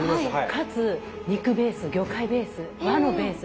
かつ肉ベース魚介ベース和のベース